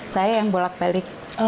saya yang bolak balik